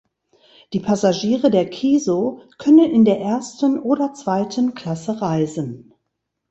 Die Passagiere der "Kiso" können in der Ersten oder Zweiten Klasse reisen.